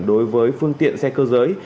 đối với phương tiện xe cơ giới